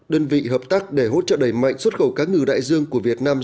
đơn vị hợp tác để hỗ trợ đẩy mạnh xuất khẩu cá ngừ đại dương của việt nam